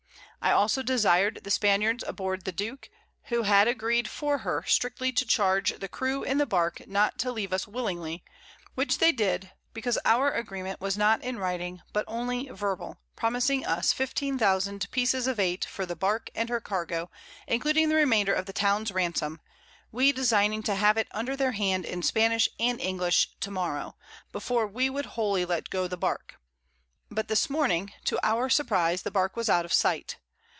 I also desir'd the Spaniards aboard the Duke, who had agreed for her, strictly to charge the Crew in the Bark not to leave us willingly, which they did, because our Agreement was not in Writing, but only Verbal, promising us 15000 Pieces of Eight for the Bark and her Cargo, including the Remainder of the Towns Ransom, we designing to have it under their hand in Spanish and English to morrow, before we would wholly let go the Bark: But this Morning, to our surprize, the Bark was out of sight.